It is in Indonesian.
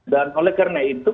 dan oleh karena itu